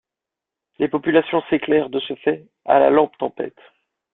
Les populations s'éclairent, de ce fait, à la lampe-tempête.